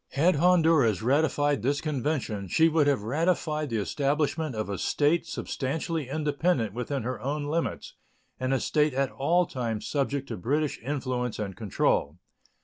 Had Honduras ratified this convention, she would have ratified the establishment of a state substantially independent within her own limits, and a state at all times subject to British influence and control.